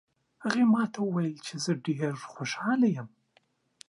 هغې ما ته وویل چې زه ډېره خوشحاله یم